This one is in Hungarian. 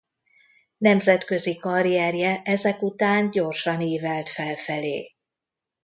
Nemzetközi karrierje ezek után gyorsan ívelt felfelé.